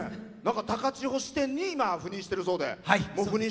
高千穂支店に赴任しているそうで。